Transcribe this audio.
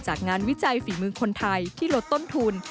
งานวิจัยฝีมือคนไทยที่ลดต้นทุน